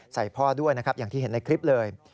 พ่อด้วยนะครับอย่างที่เห็นในคลิปเลย